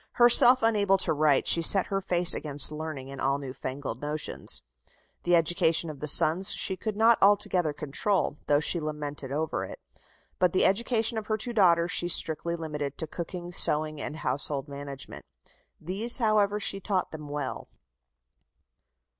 Herself unable to write, she set her face against learning and all new fangled notions. The education of the sons she could not altogether control, though she lamented over it, but the education of her two daughters she strictly limited to cooking, sewing, and household management. These, however, she taught them well.